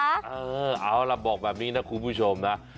เอาล่ะบอกแบบนี้นะคุณผู้ชมนะ